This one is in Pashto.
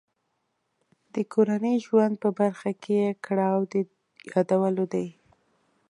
د کورني ژوند په برخه کې یې کړاو د یادولو دی.